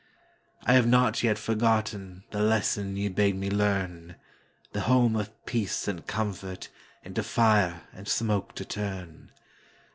I have not yet forgottenThe lesson ye bade me learn,—The home of peace and comfortInto fire and smoke to turn.